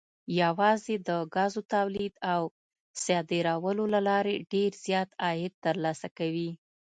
یوازې د ګازو تولید او صادرولو له لارې ډېر زیات عاید ترلاسه کوي.